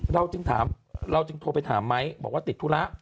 แล้วจึงถามเราจึงโทรไปถามไมค์แบบว่าติดธุระ